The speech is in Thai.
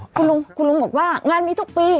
คุณลุงบอกว่างานมีทุกปี